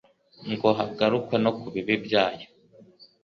ngo hagarukwe no kubibi byayo,